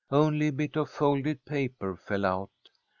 Only a bit of folded paper fell out.